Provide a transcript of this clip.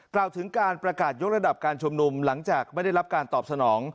กล่าวถึงการประกาศยกระดับการชุมนุมหลังจากไม่ได้รับการตอบสนอง